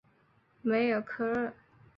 梅尔科厄。